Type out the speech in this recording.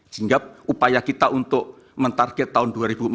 sehingga upaya kita untuk mentarget tahun dua ribu empat puluh